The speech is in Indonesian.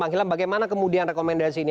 bang ilham bagaimana kemudian rekomendasi ini